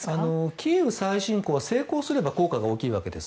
キーウ再侵攻は成功すれば効果が大きいわけです。